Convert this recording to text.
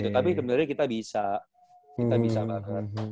tapi sebenarnya kita bisa kita bisa banget